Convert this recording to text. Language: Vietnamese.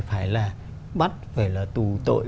phải là bắt phải là tù tội